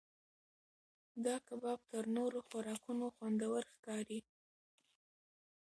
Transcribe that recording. دا کباب تر نورو خوراکونو خوندور ښکاري.